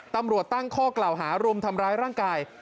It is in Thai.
ตำรวจตั้งข้อกล่าวหารุมทำร้ายร่างกาย